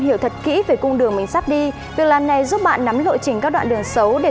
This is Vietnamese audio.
hiểu thật kỹ về cung đường mình sắp đi việc làm này giúp bạn nắm lộ trình các đoạn đường xấu để